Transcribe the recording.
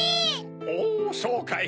おそうかい！